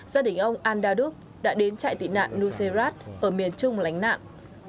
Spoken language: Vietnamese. gia đình ông al dadup đã đến trại tị nạn nuserat ở miền trung lánh nạn